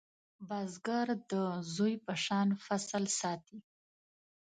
بزګر د زوی په شان فصل ساتي